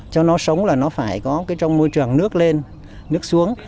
cho nó sống là nó phải có trong môi trường nước lên nước xuống